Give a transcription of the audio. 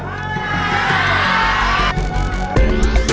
ตาย